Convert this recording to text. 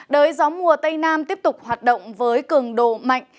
đới gió mùa tây nam tiếp tục hoạt động với cường độ mạnh